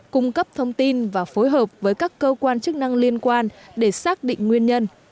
cung cấp thông tin và phối hợp với các cơ quan chức năng liên quan để xác định nguyên nhân